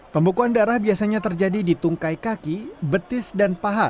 pembekuan darah biasanya terjadi di tungkai kaki betis dan paha